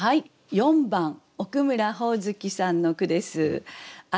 ４番奥村ほおずきさんの句です。